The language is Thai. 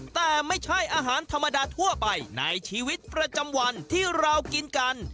แต่ไม่ใช่อาหารธรรมดาทั่วไปในชีวิตประจำวันที่เรากินกัน